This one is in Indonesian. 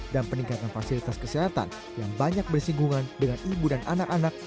dan peningkatan fasilitas kesehatan yang banyak bersinggungan dengan ibu dan anak anak